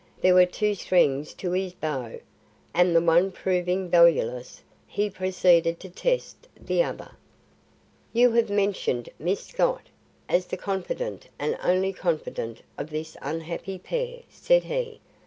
There were two strings to his bow, and the one proving valueless, he proceeded to test the other. "You have mentioned Miss Scott, as the confidante and only confidante of this unhappy pair," said he.